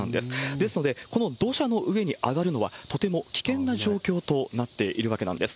ですので、この土砂の上に上がるのはとても危険な状況となっているわけなんです。